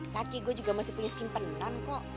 kaki gue juga masih punya simpenan kok